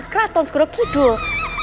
kraton segera hidup